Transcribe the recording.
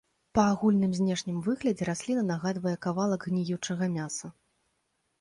Па агульным знешнім выглядзе расліна нагадвае кавалак гніючага мяса.